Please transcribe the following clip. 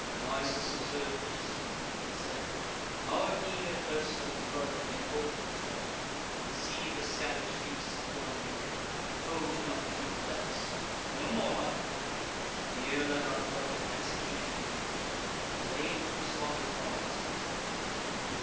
Nisus observ'd the discipline, and said: "Our eager thirst of blood may both betray; And see the scatter'd streaks of dawning day, Foe to nocturnal thefts. No more, my friend; Here let our glutted execution end. A lane thro' slaughter'd bodies we have made."